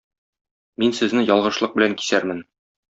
Мин сезне ялгышлык белән кисәрмен.